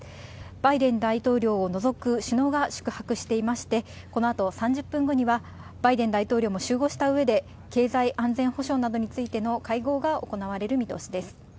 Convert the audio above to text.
バイデン大統領を除く首脳が宿泊していまして、このあと３０分後には、バイデン大統領も集合したうえで、経済安全保障などについての会合が行われる見通しです。